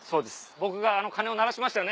僕があの鐘を鳴らしましたよね。